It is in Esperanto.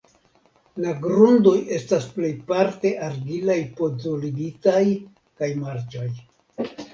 La grundoj estas plejparte argilaj podzoligitaj kaj marĉaj.